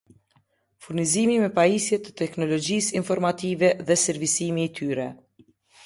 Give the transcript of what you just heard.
Furnizimi me pajisje të teknologjisë informative dhe servisimi i tyre